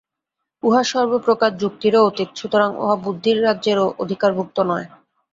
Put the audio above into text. উহা সর্বপ্রকার যুক্তিরও অতীত, সুতরাং উহা বুদ্ধির রাজ্যেরও অধিকারভুক্ত নয়।